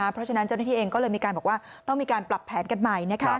เพราะฉะนั้นเจ้าหน้าที่เองก็เลยมีการบอกว่าต้องมีการปรับแผนกันใหม่